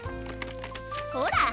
ほら。